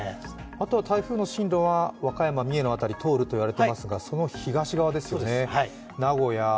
あとは、台風の進路は和歌山、三重の方を通ると言われてますがその東側ですよね、名古屋、